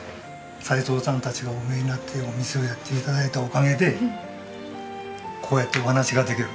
齊藤さんたちがお見えになってお店をやって頂いたおかげでこうやってお話ができる。